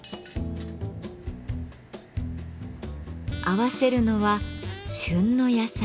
合わせるのは旬の野菜。